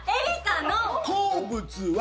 好物は。